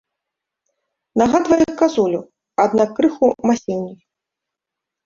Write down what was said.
Нагадвае казулю, аднак крыху масіўней.